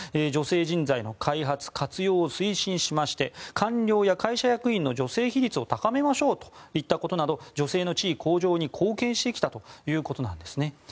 女性人材の開発・活用を推進しまして官僚や会社役員の女性比率を高めましょうといったことなど女性の地位向上に貢献してきたということです。